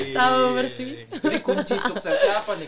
jadi kunci suksesnya apa nih